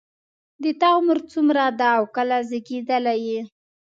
د تا عمر څومره ده او کله زیږیدلی یې